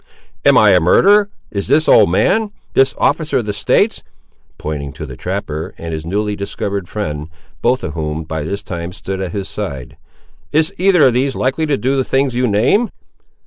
"Am I a murderer—is this old man—this officer of the States," pointing to the trapper and his newly discovered friend, both of whom by this time stood at his side, "is either of these likely to do the things you name?"